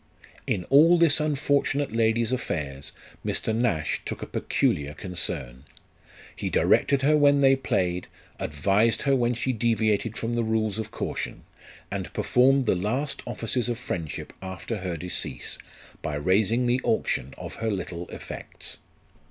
In all this unfortunate lady's affairs Mr. Nash took a peculiar concern ; he directed her when they played, advised her when she deviated from the rules of caution, and performed the last offices of friendship after her decease, by raising the auction of her little effects.